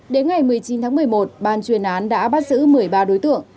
đến ngày một mươi chín tháng một mươi một ban chuyên án đã bắt giữ một mươi ba đối tượng